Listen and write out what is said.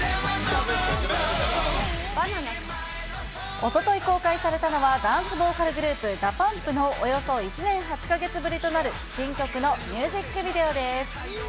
おととい公開されたのは、ダンスボーカルグループ、ＤＡＰＵＭＰのおよそ１年８か月ぶりとなる新曲のミュージックビデオです。